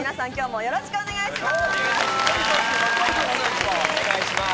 よろしくお願いします。